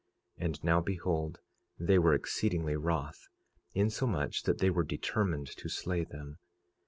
46:2 And now behold, they were exceedingly wroth, insomuch that they were determined to slay them.